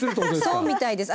そうみたいです。